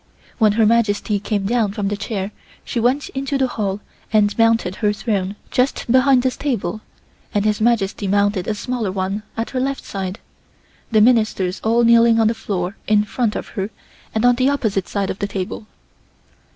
When Her Majesty came down from the chair she went into the Hall and mounted her throne just behind this table, and His Majesty mounted a smaller one at her left side, the Ministers all kneeling on the floor in front of her and on the opposite side of the table.